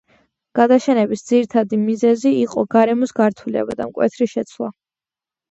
გადაშენების ძირითადი მიზეზი იყო გარემოს გართულება და მკვეთრი შეცვლა.